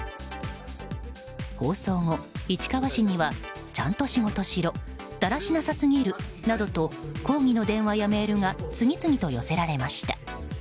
放送後、市川市にはちゃんと仕事しろだらしなさすぎるなどと抗議の電話やメールが次々と寄せられました。